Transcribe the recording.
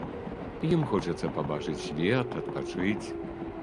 Ім хочацца пабачыць свет, адпачыць.